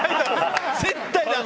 絶対だめ。